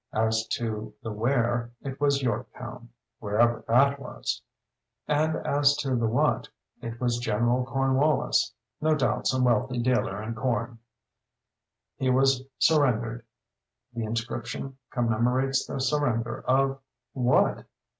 As to the where, it was Yorktown (wherever that was), and as to the what, it was General Cornwallis (no doubt some wealthy dealer in corn). He was surrendered. The inscription commemorates the surrender of—what?